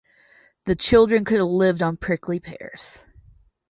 The children could have lived on prickly pears!